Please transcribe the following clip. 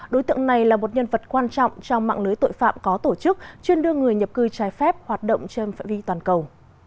đối tượng này là một nhân vật quan trọng trong mạng lưới tội phạm có tổ chức chuyên đưa người nhập cư trái phép hoạt động trên phạm vi toàn cầu